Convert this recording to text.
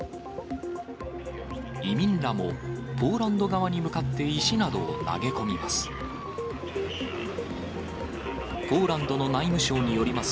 移民らも、ポーランド側に向かって石などを投げ込みます。